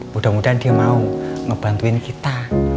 mudah mudahan dia mau ngebantuin kita